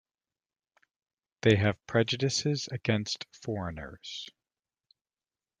They have prejudices against foreigners.